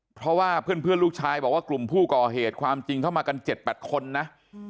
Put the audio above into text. เพราะว่าเพื่อนลูกชายบอกว่ากลุ่มผู้ก่อเหตุความจริงเข้ามากัน๗๘คนนะ